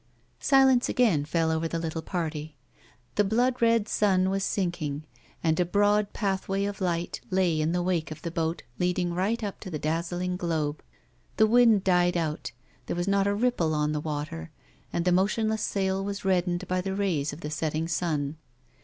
Silence again fell over the little party. The blood red sun was sinking, and a broad pathway of light lay in the wake of the boat leading right up to the dazzling globe. The wind died out, there was not a ripple on the water, and the motionless sail was reddened bv the ravs of the setting sun.